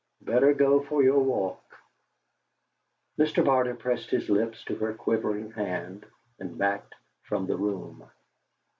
Better go for your walk." Mr. Barter pressed his lips to her quivering hand, and backed from the room.